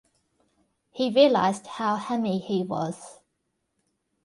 He realized how hammy he was.